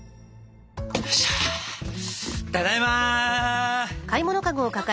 ただいま。